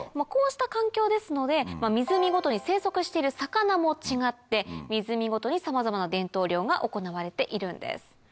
こうした環境ですので湖ごとに生息している魚も違って湖ごとにさまざまな伝統漁が行われているんです。